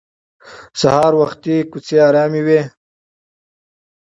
سهار وختي کوڅې ارامې وي